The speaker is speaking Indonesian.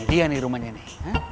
dia nih rumahnya nih